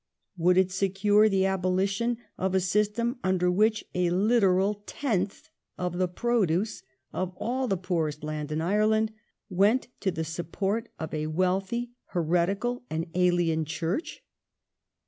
Would it secure the abolition of a system under which a literal tenth of the produce of all the poorest land in Ireland went to the support of a wealthy, heretical, and alien Church?